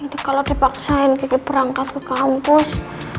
ini kalau dipaksain kiki berangkat ke kampus